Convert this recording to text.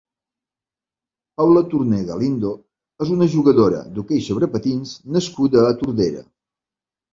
Paula Torner Galindo és una jugadora d'hoquei sobre patins nascuda a Tordera.